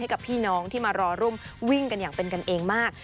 กับพี่น้องที่มารอร่วมวิ่งกันอย่างเป็นกันเองมาก